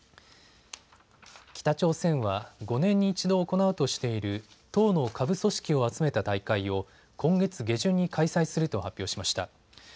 北朝鮮は５年に１度行うとしている党の下部組織を集めた大会を今月下旬に開催すると発表しました。